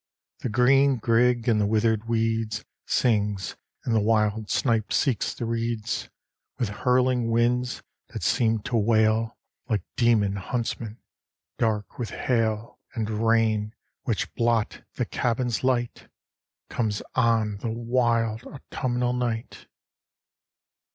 The green grig in the withered weeds Sings, and the wild snipe seeks the reeds. With hurling winds, that seem to wail Like Demon Huntsmen, dark with hail And rain, which blot the cabin's light, Comes on the wild autumnal night.